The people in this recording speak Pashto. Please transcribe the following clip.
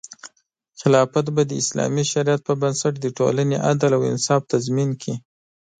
خلافت به د اسلامي شریعت په بنسټ د ټولنې عدل او انصاف تضمین کړي.